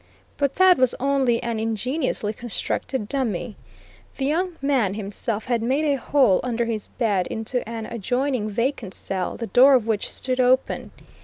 But that was only an ingeniously constructed dummy. The young man himself had made a hole under his bed into an adjoining vacant cell, the door of which stood open.